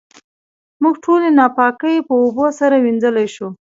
موږ ټولې ناپاکۍ په اوبو سره وېنځلی شو.